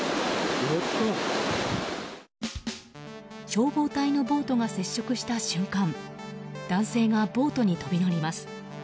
消防隊のボートが接触した瞬間男性がボートに飛び乗ります。